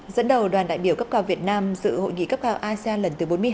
dẫn đầu đoàn đại biểu cấp cao việt nam dự hội nghị cấp cao asean lần thứ bốn mươi hai